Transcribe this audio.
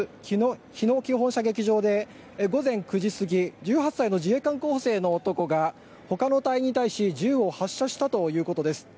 日野基本射撃場で午前９時過ぎ１８歳の自衛官候補生の男が他の隊員に対し銃を発射したということです。